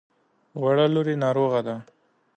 وړه لور يې ناروغه ده.